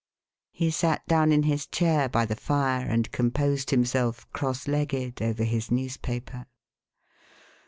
" He sat down in his chair by the fire, and composed himself, cross legged, over his newspaper.